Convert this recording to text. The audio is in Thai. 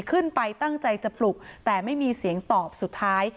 ขึ้นไปตั้งใจจะปลุกแต่ไม่มีเสียงตอบสุดท้าย